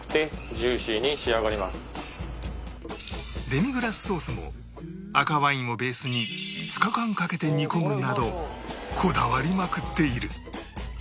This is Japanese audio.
デミグラスソースも赤ワインをベースに５日間かけて煮込むなどこだわりまくっている